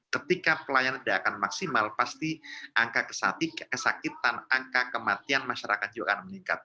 ketika pelayanan tidak akan maksimal pasti angka kesakitan angka kematian masyarakat juga akan meningkat